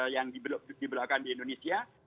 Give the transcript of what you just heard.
yang diberikan di indonesia